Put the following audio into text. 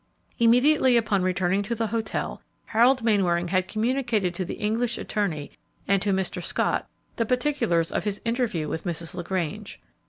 Immediately upon returning to the hotel, Harold Mainwaring had communicated to the English attorney and to Mr. Scott the particulars of his interview with Mrs. LaGrange.